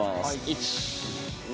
１・２。